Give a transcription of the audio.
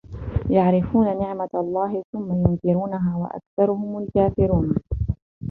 يَعْرِفُونَ نِعْمَتَ اللَّهِ ثُمَّ يُنْكِرُونَهَا وَأَكْثَرُهُمُ الْكَافِرُونَ